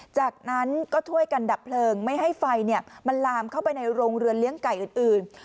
จากนั้นก็ช่วยกันดับเพลิงไม่ให้ไฟมันลามเข้าไปในโรงเรือนเลี้ยงไก่อื่น